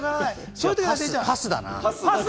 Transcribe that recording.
パスだな。